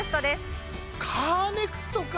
カーネクストか！